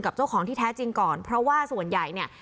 เจ้าของที่แท้จริงก่อนเพราะว่าส่วนใหญ่เนี่ย